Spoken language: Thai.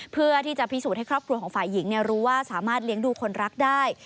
เพื่อที่จะพิสูจน์ให้ครอบครัวของฝ่ายหญิงรู้ว่าสามารถเลี้ยงดูคนรักได้